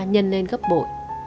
nhân lên gấp bội